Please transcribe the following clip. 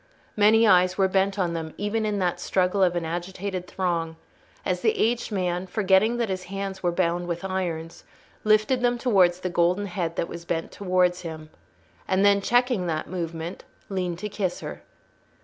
Many eyes were bent on them even in that struggle of an agitated throng, as the aged man, forgetting that his hands were bound with irons, lifted them towards the golden head that was bent towards him, and then, checking that movement, leaned to kiss her.